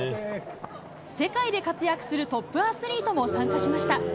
世界で活躍するトップアスリートも参加しました。